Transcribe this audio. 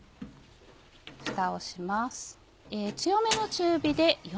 ふたをします。